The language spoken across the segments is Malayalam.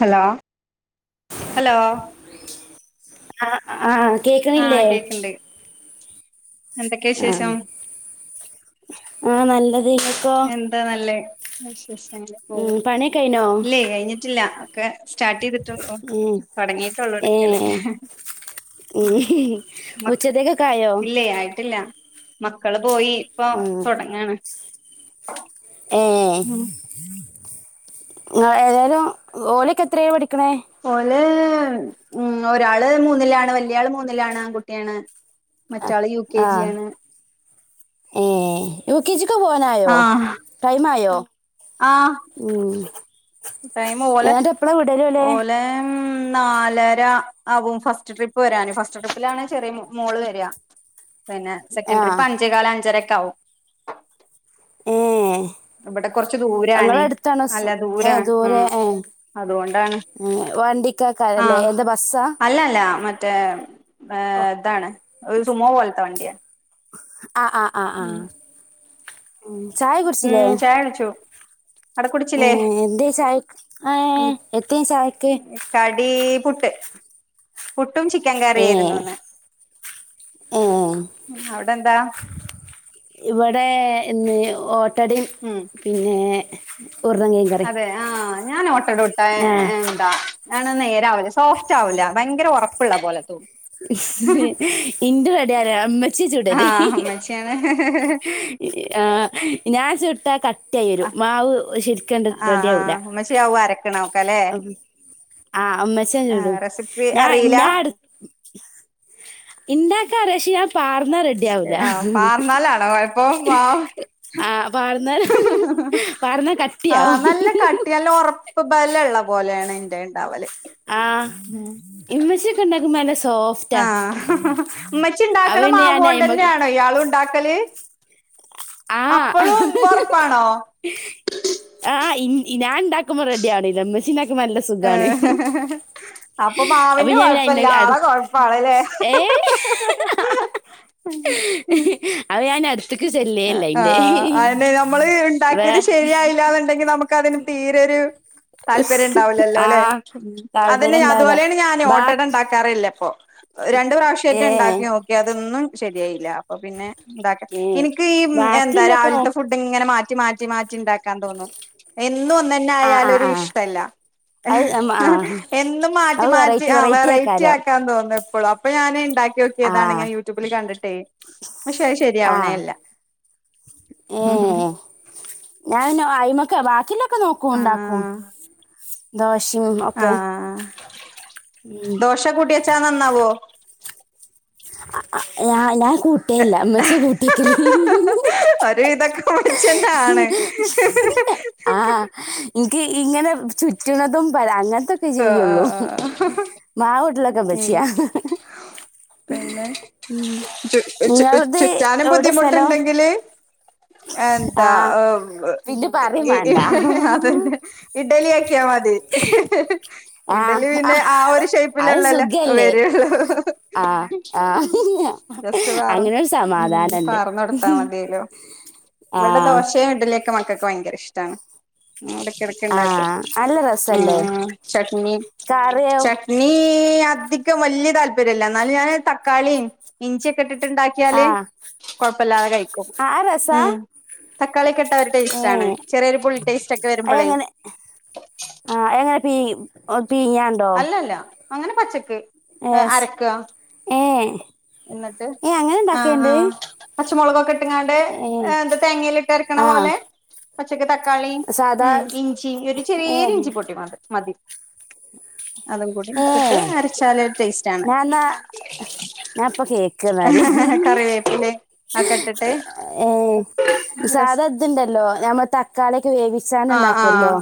ഹലോ ഹലോ ആ ആഹ് ആഹകേക്കണില്ലേ കേക്ക്ണ്ട് എന്തൊക്കെ ആ വിശേഷം ആ നല്ല എന്താ നല്ലേ വിശേഷങ്ങൾ ഉം പോണ്. പണിയൊക്കെ കഴിഞ്ഞോ ഇല്ലേ കഴിഞ്ഞിട്ടില്ല ഒക്കെ സ്റ്റാർട്ട് ചെയ്തിട്ടൊള്ളു ഉം തുടങ്ങിട്ടള്ളൂ ഏ ഇടക്കൽ ഉം ഉച്ചത്തേക്കൊക്കെ ആയോ ഇല്ല ആയിട്ടില്ല മക്കള് പോയി ഇപ്പൊ ഉം തുടങ്ങാണ് ഏ ഉം ഏതായാലും ഓലിയക്കെ എത്രയ പഠിക്ക ല്ലേ ഉ ഒരാള് മൂന്നിലാണ് വല്യയാള് മൂന്നിലാണ് ആൺകുട്ടിയാണ്. മറ്റാള് യു കെ ജി ആണ് ഏയ യു കെ ജി ക്ക് പോവാനായോ ആഹ് ടൈം ആയോ. ആഹ് ഉം ടൈം ഓലെ എന്നിട്ട് എപ്പളാ വിടല് ഓലെ ലെ നാലര ആവും ഫസ്റ്റ് ട്രിപ്പ് വരാന്. ഫസ്റ്റ് ട്രിപ്പിലാണ് ചെറിയ മോള് വരിക. പിന്നെ ആ സെക്കൻഡ്രറിപ്പഞ്ചേകാൽ അഞ്ചരെക്കാവും ഏഹ് ഇവിടെ കുറച്ച് ദൂരാണെ സ് ഏ നല്ലദൂരാ ദൂരെ ഉം ഏ അതുകൊണ്ടാണ് ഏ വണ്ടിക്കാക്കാരല്ലേ ആഹ് എന്താ ബസ്സാ അല്ലല്ല മറ്റേ ഏ ഇതാണ് ഒരു സുമോ പോലത്തെ വണ്ടിയാണ് ആആആ ഉം ഉഹ്മ് ചായ കുടിച്ചില്ലേ ഉം ചായ കുടിച്ചു അവിടെ ഏ കുടിച്ചില്ലേ എന്തേ ചായക്ക് ഏ ഉം എത്തേ ചായക്ക് കടി പുട്ട് പുട്ടും ചിക്കൻ കറിയായിരുന്നു ഇന്ന് ആ അവിടെ എന്താ ഇവിടെ ഇന്ന് ഓട്ടടേം ഉം പിന്നേ അതെ ആഹ് ഞാൻ ഓട്ടടോട്ട ആ എന്താ ആണ് നേരാവില്ല സോഫ്റ്റാവില്ല ഭയങ്കര ഉറപ്പുള്ള പോലെ തോന്നും ഇന്റെ അടിയാരാ അമ്മച്ചി ചുടല് ആഹ് ഉമ്മച്ചിയാണ് ആഹ് ഞാൻ ചുട്ടാ കട്ടിയായി വരും മാവ് ശരി ക്കണ്ട് റെഡിയാവുല്ല ക്കലേ അമ്മച്ചൻ ചൂടും ഞാൻ അറിയില്ല ഞാൻ അട് ഇണ്ടാക്കാറിയാ പക്ഷെ ഞാ വാർന്നാ റെഡിയാവുല്ല ആഹ് പാർന്നാലാണോ കൊഴപ്പം മാവ് ആ വാർന്നാൽ വാർന്നാൽ കട്ടിയാവും ഇപ്പൊ ബലുള്ള പോലെയാണ് എന്റെ ഇണ്ടാവല് ആഹ് ഉം ഇമ്മച്ചോക്കെണ്ടാക്കുമ്പ നല്ല സോഫ്റ്റാ ആഹ് ഉമ്മച്ചി ഇണ്ടാക്കണ അതെന്നെയായിമ്മാക്ക് മാവോണ്ടന്നെയാണോ ഇയാളും ഇണ്ടാക്കല് ആഹ അപ്പളും ഒറപ്പാണോ ആഹ് ഇഞാൻ ണ്ടാക്കുമ്പം റെഡിയാവ്ണില്ല ഉമ്മച്ചീണ്ടാക്കുമ്പോ നല്ല സുഖാണ് ഏഹ് അപ്പൊ മാവിന്റെ അപ്പഞാൻ കൊഴപ്പല്ല പിന്നടു ആളെ കൊഴപ്പാണ്ല്ലേ ഏ ഹഹഹഹ അപ്പഞാൻ അടുത്ത്ക്ക് ചെല്ലി ആ ആഹ് അതെന്നെ നമ്മള് വേ ഇണ്ടാക്കിയത് ശരിയായില്ലന്നുണ്ടെങ്കി നമുക്ക് അതിന് തീരൊരു ആ താല്പര്യണ്ടാവില്ലല്ലോല്ലെ ഉം അതന്നെ താല്പര്യം ഇണ്ടാവൂല അതുപോലെയാണ് ഞാൻ ബാക്കി ഓട്ടടണ്ടാക്കാറില്ലപ്പൊ ഏ രണ്ട്പ്രാവശ്യായിട്ടാ ഇണ്ടാക്കി നോക്കിയെ അതിന്നും ശരിയായില്ല അപ്പൊ പിന്നെ ഇണ്ടാക്ക ഏ എനിക്കീ എന്താ ബാക്കില്ലൊക്കെ നോ രാവിലത്തെ ഫുഡിങ്ങനെ മാറ്റി മാറ്റി മാറ്റി റ്റിണ്ടാക്കാൻ തോന്നും എന്നും ആ ആ ആ ഒന്നന്നായാലൊരിഷ്ടല്ല അത് ആ എന്നും മാറ്റി അത് മാറ്റി വെറൈറ്റി ആ വെറൈറ്റി ആക്കാരോ ആക്കാൻ തോന്നും എപ്പളും അപ്പൊ ഞാൻ അങ്ങനെ ഉണ്ടാക്കി ആ നോക്കിയതാണിങ്ങനെ യൂട്യൂബിൽ കണ്ടിട്ടേ പക്ഷെ അത് ആ ശെരിയാവണേ ഇല്ല ഏ ഞാന ബാക്കിള്ളതൊക്കെ നോക്കും ഉണ്ടാക്കും ആഹ് ദോ ശയും ഒക്കെ ആഹ് ദോശ കൂട്ടിവെച്ചാ നന്നാവോ? അ അ ഞാൻ കൂട്ടേല്ല അമ്മച്ചി കൂട്ടിക്കല് ഹിഹിഹിഹി ഒരു വിധൊക്കെ ഉമ്മച്ചിയെന്നാണ്. ഹിഹിഹിഹി ആ എന്ക്ക് ഇങ്ങനെരു ചുറ്റ്ണതും പര അങ്ങനത്തൊക്കെ ചെയ്യുള്ളൂ [unintelligible] ആഹ് ഉം ക്കെഉമ്മച്ചിയാ പിന്നെ ഉം ചു ചു നിങ്ങള്ത് ചുറ്റാനും എവിടെയാ സ്ഥലം ബുദ്ധിമുട്ടുണ്ടെങ്കില് [inaudible] ആ എന്താ പിന്നെ പറയും വേണ്ട ഹിഹിഹി അതന്നെ ഇഡ്ലി ആക്കിയാ മതി ഹിഹിഹി ഇഡലി പിന്നെ ആ ഒരു അത് ഷേപ്പിലന്നല്ലേ സുഖല്ലേ വരോള്ളൂ ആ ആ ജസ്റ്റ് വാറ് അങ്ങനെ ഒരു ഉം സമാധാനണ്ട് വാർന്നെടുത്താ മതിയല്ലോ ആ ഇവിടെ ദോശയും ഇഡലിയൊക്കെ മക്കക്ക് ഭയങ്കര ഇഷ്ടാണ് ആ ഇടക്കെടക്ക്ണ്ടാക്കും നല്ല രസല്ലേ ഉം ചട്നി കറിയോ ചട്നി ഏഹ് അധികം വല്യ താല്പര്യല്ല എന്നാലും ഞാൻ തക്കാളിയും ഇഞ്ചിയൊക്കെട്ടിട്ട് ണ്ടാക്കിയാല് ആഹ് കൊഴപ്പല്ലാതെ കഴിക്കും ആ രസാ ഉം തക്കാളി കെട്ട ഒരു ടേസ്റ്റ് ഏ ആണ് ചെറിയൊരു പുളി ടേസ്റ്റ് ഒക്കെ വരുമ്പൊളേ ആഹ് എങ്ങനെ പീ പീഞ്ഞാണ്ടോ അല്ലല്ല അങ്ങനെ പച്ചക്ക് ഏസ് അരക്ക ഏ ന്നിട്ട് ഏ അങ്ങനെ ആഹ് ഇണ്ടാക്കേണ്ട് ആഹ് പച്ചമൊളകൊക്ക ട്ട്ങ്ങാണ്ട് ഏ എന്ത തേങ്ങയില് ട്ട് അരക്ക്‌ണ ആഹ് പോലെ പച്ചക്ക്‌ ത ക്കളിയ്മ് സാധാ ഉം ഇഞ്ചിം ഒരു ഏ ചെറിയൊരു ഇഞ്ചി പൊടി മത് മതി അതും കൂടി ഏ ഇട്ടിട്ട് അരച്ചാലൊര് ടേസ്റ്റ് ആണ് ഞാൻന്നാ ഞാൻ ഇപ്പൊ കേക്ക്ന്നാല് കറിവേപ്പില ആക്ക്‌ ട്ട്ട്ട് ഏ ഇ സാദ ത്ണ്ടല്ലോ നമ്മൾ തക്കാള്യൊക്ക വേവിച്ചാണ്ട് ആഹ് ആഹ് ണ്ടാക്കല്ലോ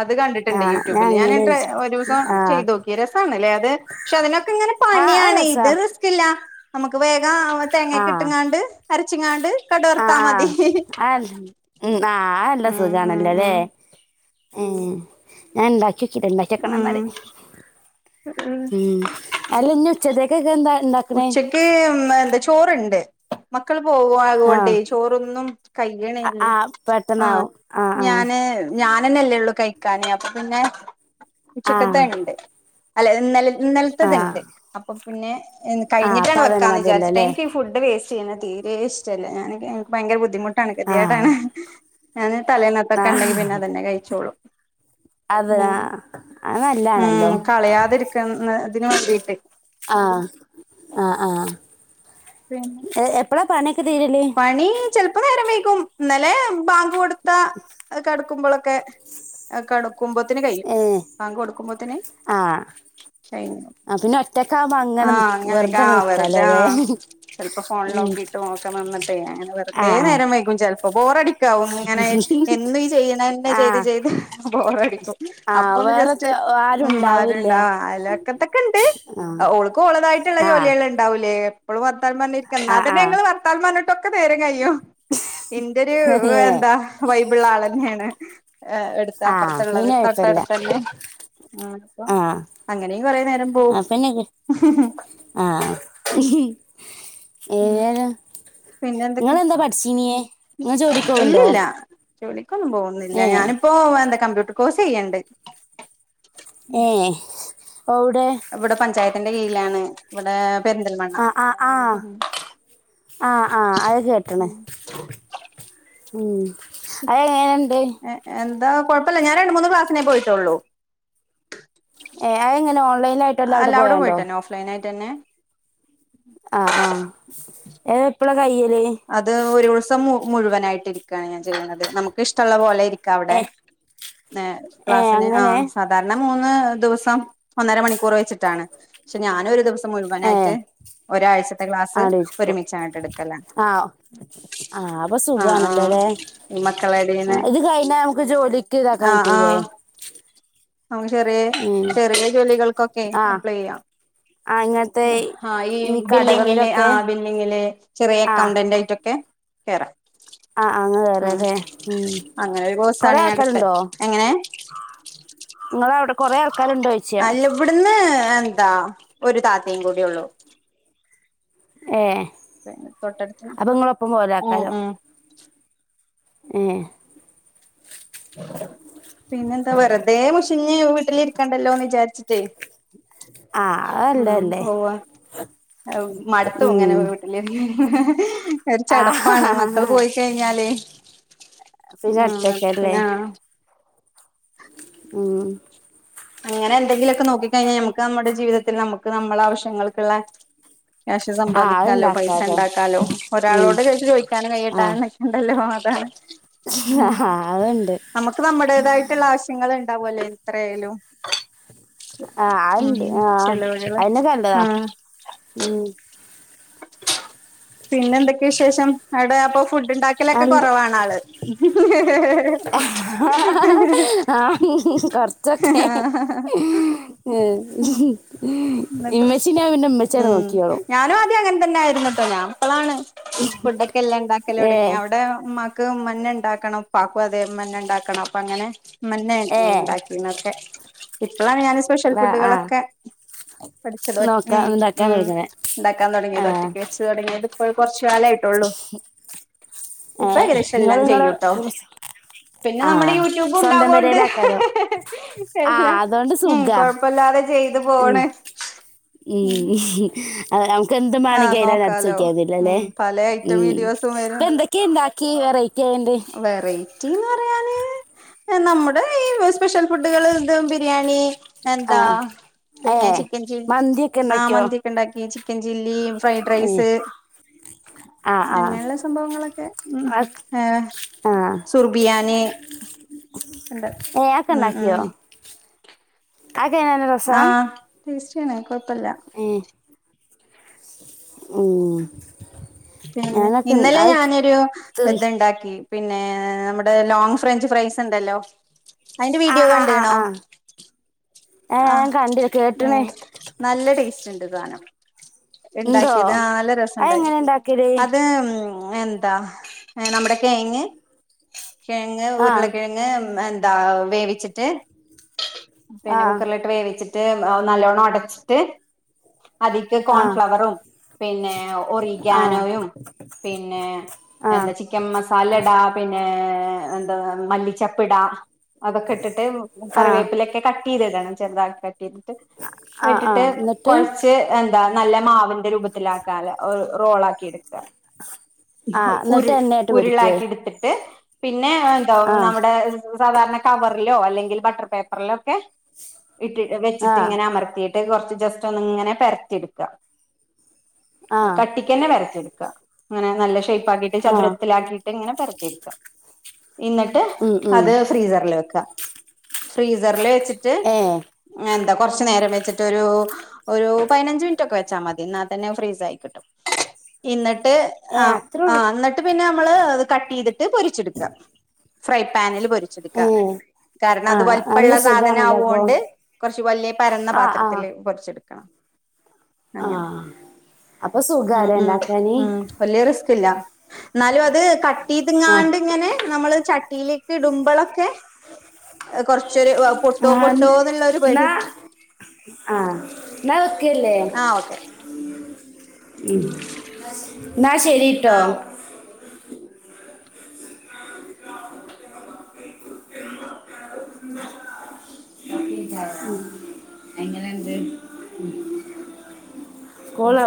അത് കണ്ടിട്ടുണ്ട് യൂട്യൂബിൽ ഞാനി ടെ ഒരു ആഹ് ചെയ്തൊക്കി രസണ് ല്ലേ അത് ക്ഷെ അതിനാത്ത് ങ്ങനെ ആ അത് പണിയാണ് ഇത് രസാ റിസ്കി ല്ല നമക്ക് വേഗ തേങ്ങക്ക ഇട്ട്ങ്ങാണ്ട് അരച്ചിങ്ങാണ്ട് ആ കടുവർത്താ മതി ആഹ് ആ ആ ആഅല്ല ഉം ഉം സുഖാണല്ലോ ലേ ഉം ഉം ഞാൻണ്ടാക് ക്കിട്ടില്ല [unintelligible] ക്കണം ന്നാല് ഉം അല്ല ന്നി ഉച്ചത്തെക്കൊക്ക ന്താ ഉച്ചക്ക് എന്താ ചോറ്ണ്ട് ക്കൾ പോവായോണ്ടേ ആഹ് ചോറൊന്നും കഴിയ്യ്ണ്ല്ല ആഹ് ആഹ് പെട്ടെന്നാവും ആഹ് ഞാന് ഞാനെന്നല്ലേ ള്ളൂ കൈ കാന് അപ്പ പിന്നെ ആഹ് ഉച്ചക്കത്തെ ആഹ് ഇണ്ട് അല്ല ഇന്നല ആഹ് ന്നൽത്തത്ണ്ട് അപ്പൊ പിന്നെ ആഹ് അപ്പൊ കഴിഞ്ഞിട്ടാണ് അതന്നെ വെക്കാന്ന് വിചാരിച്ചിട്ട് മതിയല്ലോല്ലേ എനിക്ക് ഈ ഫുഡ്ഡ് വെസ് റ്റെയ്യ്ണെ തീരെ ഇശ്ടല്ല ഞാന് നിക്ക് ഭയങ്ക ബുദ്ധിമു ട്ടാണ് ആഹ് ഗതികേടാണ് ഞാന് തലേന്നത്തൊക്കെ ആഹ് ണ്ടെങ്കി പിന്നെ അതന്നെ കഴിച്ചോളു അത് ഉം ആഹ് അത് നല്ലാണല്ലോ ഉം കളയാതിര്ക്ക്‌ന്ന തിന് വേണ്ടിയിട്ട് ആഹ് ആഹ് ആഹ് പിന്നെ എ എപ്പളാ പണി പണി ചെലപ്പോ നേരം വെയ് കും ന്നലെ ബാങ്ക് കൊടുത്ത കടക്കുമ്പളൊക്കെ അ കടു ക്കുമ്പോത്തിന് കയ്യും ബാങ്ക് കൊടുക്കുമ്പോത്തിന് ആ ശൈൻ ആ അങ്ങനെ അങ്ങനക്ക വെറുതെ ആ അങ്ങ് വെറുതെ ആ നിക്കാലോല്ലേ ചെൽപ്പോ ഫോൺൽ ഉം ഓക്കിട്ടും നോക്ക മ ന്നട്ടെ അങ്ങനെ വെറുതേ ആഹ് ആഹ് നേരം വൈകും ചെൽപ്പോ ബോറടി ക്കവും ഇങ്ങനെ എന്നു ഈ ചെയ്യ്ണെന്നെ ചെയ്ത് ആഹ് ചെയ്ത് ബോറടിക്കും ആഹ് അപ്പൊ ഒന്ന് ജസ്റ്റ് വേറെത്തെ ആരും ഉം ഉണ്ടാവൂല്ല ആരുണ്ടാവ അലക്കത്തൊക്കെ ഇണ്ട് ഓൾക്കും ഓളതായിട്ട്ള്ള ആഹ് ജോലിയള് ഉണ്ടാവൂലേ ഓള് വർത്താൻ പർഞ്ഞിര്ക്ക ആഹ് ആഹ് ന്നാതന്നെങ്ങള് വർത്താൻ പർഞ്ഞ്ട്ടൊക്ക നേര കയ്യു ഇന്റെരു ഏഹ് എന്താ വൈബിള്ള ആളെഞ്ഞേണ് എ എടുത് ആഹ് അപ്പൊ അപ്പർത്ത്ള്ളത് പിന്നെ കൊഴപ്പല്ല തൊട്ടട്ത്തെന്നെ ആ അപ്പൊ ആഹ് അങ്ങനെയും കൊറേ നേരം പോവും ആ ഏ പിന്നെ എന്തൊക്കെ ങ്ങള്ന്താ പഠിച്ചിനിയേ ങ്ങ ജോലിക്കോവ്ണ്ടോ ഇല്ലില്ല ജോലിക്കൊന്നും പോവ്ന്നില്ല ഞാന്പ്പോ എന്താ കമ്പ്യൂട്ടർ കോഴ്സെയ്യ്ണ്ട് ഏ എവ്ടെ ത്തന്റെ കീയിലാണ് വ്ടെ പെര്ന്തൽമണ്ണ ആഹ് ആഹ് ആഹ് ആഹ് ആഹ് അത് കേട്ട്ണ് ഉം അതെങ്ങനെ എ എന്താ കൊഴപ്പല്ല ഞാൻ രണ്ട് മൂന്ന് ക്ലാസ്സിനേ പോയിട്ടുള്ളു ഏ അഎങ്ങനെ ഓൺലൈനായ്ട്ടോ അല്ലേ അവിടെ പോയണ്ടോ ട്ടന്നെ ആ ആ എപ്പളാ കൈയ്യ അത് ഒരു ദിവസം മുഴുവനായിട്ട് ഇരിക്കണ് ഞാൻ ചെയ്യ്ണത് നമുക്ക് ഇഷ്ടള്ള പോലെ ഇരിക് ക്ക വിടെ ഏഹ് ഏ ക്ലാസിന് ആ അങ്ങനെ സാധാര്ണ മൂന്ന് ദിവസം ഒന്നര മണിക്കൂർ വെച്ചിട്ടാണ് പക്ഷെ ഞാനും ഒരു ദിവസ ഏ മുഴുവനായിട്ട് ഒരാഴ്ചത്തെ ഗ്ലാസ്സ് ആടിരിക്കും ഒരുമിച്ചാണ്ട്ട് എടുക്കല ആ ആ അപ്പൊ ആ ആ സുഖാണല്ലോല്ലേ മക്കള് എന്തെയ്ന്ന് ഇത് കഴിഞ്ഞാ നമുക്ക് ജോലിക്ക് ഇതാക്കാൻ ആ ആ പറ്റൂലേ നമുക്ക് ചെറിയ ഉം ചെറിയ ജോലികൾക്കൊക്കെ ആ അപ്ലൈ ചെയ്യാം ആ ഇങ്ങനത്തെ ആ ഈ ബില്ലിങ്ങില് ആ ബില്ലിങ്ങിലെ ചെറിയ ആ അക്കൗണ്ടന്റ് ആയിട്ടൊക്കെ കേറാം ആ അങ്ങ് ഉം കേറാല്ലേ ഉം അങ്ങനെ ഒരു കോഴ്സ്ആണ് കൊറേ ഞാൻ എടുത്തെ എങ്ങനെ നിങ്ങളവിട അല്ല ഇവിടുന്ന് എന്താ ഒരു താത്തേയും കൂടി ഉള്ളൂ ഏ തൊട്ടടുത്ത് അപ്പൊ നിങ്ങളൊപ്പം ഉം പോരആക്കാരോ ഉം ഏ പിന്നെന്താ വെറുതെ മുഷിഞ്ഞ് വീട്ടിലിരിക്കണ്ടല്ലോന്ന് വിചാരി ച്ച്ട്ടെന് ആ അല്ലേല്ലേ മടത്തു ഇങ്ങനെ പോ വീട്ടില് ഇരുന്ന് ഇരുന്ന് ഒരു ആ ചടപ്പാണ് മക്കള് പോയിക്കഴിഞ്ഞാല് പിന്ന ഒറ്റകേര് പിന്നാ ഉം അങ്ങനെ എന്തെങ്കിലൊക്കെ നോക്കി കഴിഞ്ഞാ നമുക്ക് നമ്മുടെ ജീവിതത്തിൽ നമുക്ക് നമ്മുടെ ആവശ്യങ്ങൾക്ക്ള്ള ക്യാഷ് ആ സമ്പാദിക്കാലോ പൈസ അത്ണ്ടാക്കാലോ ഉണ്ടാക്കാലോ ഉം ഒരാളോട് പൈസ ചോദിക്കാനും ആഹ് കൈയിട്ടാനും നിക്കണ്ടല്ലോ ഉം അതുണ്ട് നമുക്ക് നമ്മുടേതായിട്ടുള്ള ആവശ്യങ്ങൾ ഉണ്ടാവല്ലോ എത്രേലും ആ അണ്ട് ആ ചെലവുകള് അയ്നൊക്കെ ആ നല്ലതാ പിന്നെ എന്തൊക്കെയ വിശേഷം അവിടെ അപ്പൊ ഫുഡ് ഉണ്ടാക്കലൊക്കെ നല്ല കുറവാണ് ആള് കുറചൊക്കെ ആ എന്നിട്ട് ഉം ഞാനും ആദ്യ അങ്ങനെ ന്നതന്നാരുന്ന് ട്ടോ ഞാപ്പളാണ് ഫുഡ്ക്കെ എല്ലാം ഉണ്ടാക്കല് തുടങ്ങിയെ ഏഹ് അവിടെ മക്ക് ക്ക് മ്മന്നെ ഇണ്ടാക്കണം ഉപ്പാക്കും അതേ മ്മന്നെ ഉണ്ടാക്കണം അപ്പൊ അങ്ങനെ മ്മന്നേര്ന്ന് ഏഹ് ഉണ്ടാക്കിന്നൊക്കെ ഇപ്പളാണ് ഞാൻ സ്പെഷ്യൽ ആഹ് ആഹ് ഫുഡുകളൊക്കെ പഠിച്ചത് ഉം നോക്കാൻ ഇതാക്കാൻ ഉം കൊടുക്കണേ ഉണ്ടാക്കാൻ തുടങ്ങിയത് ആഹ് ഒറ്റക്ക് വെച്ച് തുടങ്ങിയത് ഇപ്പോ കുറച്ച് ജാലായിട്ടുള്ളൂ ഇപ്പൊ ഏഹ് ഏകദേശം നിങ്ങള് എല്ലാം നിങ്ങള് ചെയ്യൂട്ടോ പിന്നെ നമ്മുടെ ആഹ് യൂട്യൂബ് സ്വന്തം ഉണ്ടാവോണ്ട് പെരേലാക്കാരോ എല്ല ആഹ് അതുകൊണ്ട് ഉം സുഖാ കൊഴപ്പല്ലാതെ ചെയ്തു ഉം പോണ് ഉം ഏഹ് ക്കെന്ത്മാണ് ആഹ് കേത് അത് അടിച്ച് നോക്കാലോ വെക്കാരൂന്നില്ലല്ലേ ഉം പല ഐറ്റം ഉം വീഡിയോസും പ്പ വരും എന്തൊക്കെയ എന്താ കീ വെറൈറ്റിയണ്ട് കീ പറഞാല് നമ്മുടെ ഈ സ്പെഷ്യൽ ഫുഡുകള് ദം ബിരിയാണി എന്താ ആഹ് പിന്നെ ഏഹ് ചിക്കൻ ചില്ലി മന്തിയൊക്കെ ആ ഇണ്ടാക്കിയോ മന്തിയൊക്കെ ഇണ്ടാക്കി ച്ചി ഈ ഫ്രൈഡ് ഏഹ് റൈസ് ആഹ് ആഹ് അങ്ങനെയുള്ള സംഭവങ്ങളൊക്കെ ഉം അത് ഏഹ് ആഹ് സുർബിയാനി ഉണ്ട് ഏഹ് അതൊക്കെ ഉം ഉം ആക്കെ നല്ല രസാ യെണ് കുഴപ്പില്ല ഏഹ് ഉം പിന്നെ ഞാനൊക്കെ ഉം ഇന്നലെ അത് ഞാനൊരു തിന്ന് ഇത്ണ്ടാക്കി പിന്നെ നമ്മുടെ ലോങ് ഫ്രഞ്ച് ഫ്രൈസ് ഉണ്ടല്ലോ അതിന്റെ ആഹ് വീഡിയോ ആഹ് ആഹ് കണ്ടീണോ ആഹ് ഏഹ് ആ ഞാൻ കണ്ടില്ല കേട്ട്ണ് ഉം നല്ല ടേസ്റ്റ് ഉണ്ട് സാനം ഇണ്ടോ ഇണ്ടാക്കിയത് ആ നല്ല രസണ്ട് അതെങ്ങനെ ഇണ്ടാക്കല് അത് മ് എന്താ നമ്മുടെ കെങ് കിഴങ്ങ് ആഹ് ഉരുളക്കിഴങ്ങ് താ വേവിച്ചിട്ട് പിന്നെ ആഹ് കുക്കറിലെട്ട് വേവിച്ചിട്ട് ട്ട് നല്ലോണ്ണം ഒടച്ചിട്ട് അതിക്ക് ആഹ് കോൺഫ്ലവറും പിന്നെ ആഹ് ഒറിഗാനോയും പിന്നെ ആഹ് എന്താ ചിക്കൻ മസാലടെ പിന്നെ ഏ ന്താ മല്ലിച്ചപ്പിടാ അതൊക്കെ ഇട്ടിട്ട് ആഹ് കറിവേപ്പിലക്കെ ക ട്ട് ചെയ്തിടണം ചെറുതായിട്ടു കട്ട്‌ ചെയ്തിട്ട് ആഹ് ഇട്ടിട്ട് ആഹ് എന്നിട്ട് കുഴച്ച് എ നല്ല മാവിന്റെ രൂപത്തിലാക്കാലോ റോളാക്കിയെടുക്കും ആഹ് എന്നിട്ട് ഉരുൾ എണ്ണയായിട്ട് പൊരിക്കേ ഉരുളാക്കി എടുത്തിട്ട് പിന്നെ എന്തോ ആഹ് നമ്മുടെ സാധാരണ കവറിലോ അല്ലെങ്കിൽ ബട്ടർ പേപ്പറിലോ ഒക്കെ ഇട്ടി വെച്ചിട്ട് ആഹ് ഇങ്ങനെ അമർത്തിയിട്ട് കൊറച്ച് ജസ്റ്റ് ഒന്ന് ഇങ്ങനെ പരത്തിടെക്കുക ആഹ് കട്ടിക്കന്നെ പരത്തിയെടുക്ക അങ്ങനെ നല്ല ഷേപ്പ് പ്പാക്കിട്ട് ആഹ് ചതുരത്തിൽ ആക്കിയിട്ട് ഇങ്ങനെ പരത്തിയെടുക്കുക എന്നിട്ട് ഉം ഉം അത് ഫ്രീസറിൽ വെക്കുക ഫ്രീസറിൽ വെച്ചി ട്ട് ഏഹ് എന്താ കൊറച്ചു നേരം വെച്ചിട്ടൊരു ഒരു പതിനഞ്ച് മിനിറ്റൊക്കെ വെച്ചാ മതി എന്നാൽ തന്നെ ഫ്രീസ് ആയി കിട്ടും ഇന്നട്ട് ട്ട് ആ ഏഹ് ആ അത്രേള്ളൂ എന്നിട്ട് പിന്നെ നമ്മള് അത് കട്ട് ചെയ്ത് ട്ട് പൊരിച്ചെടുക്കുക ഫ്രൈ പാനിൽ പൊരിച്ചെടുക്കുക ഏഹ് കാരണം അത് ആഹ് നല്ല വലിപ്പള്ള സാധ സാധാ സുഖാണല്ലോ അപ്പൊ കൊണ്ട് കുറച്ചു വല്യ പരന്ന ആഹ് ആഹ് പാത്രത്തില് പൊരിച്ചെടുക്കണം അങ്ങനെ ആഹ് അപ്പൊ ഉം സുഖാല്ലേ ഉം ഇണ്ടാക്കാന് ഉം വലിയറിസ്ക് ല്ലാ എന്നാലും അത് കട്ട് ആഹ് ചെയ്തിങ്ങാണ്ട് ഇങ്ങനെ നമ്മള് ച ട്ടീയിലേക്ക് ഇടുമ്പൊളൊക്കെ കൊറച്ചൊരു ആ പൊ ആ ന്നാ ആ ന്നാ വെക്കല്ലേ ആ ഓക്കെ ഉം എന്നാ ശരിട്ടോ ആ ഓക്കെ കോളാ